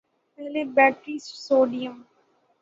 پہلے battery sodium